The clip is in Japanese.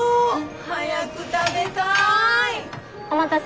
早く食べたい！